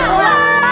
keluar dah keluar dah